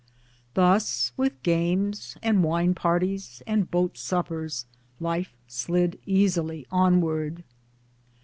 Thus, with games and wine parties and boat suppers, life slid easily onward.